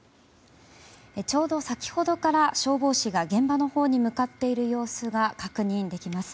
ちょうど先ほどから消防士が現場のほうに向かっている様子が確認できます。